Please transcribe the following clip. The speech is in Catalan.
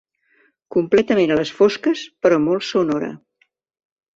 Completament a les fosques, però molt sonora.